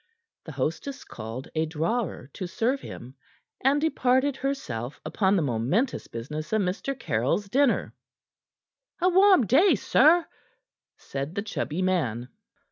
The hostess called a drawer to serve him, and departed herself upon the momentous business of Mr. Caryll's dinner. "A warm day, sir," said the chubby man.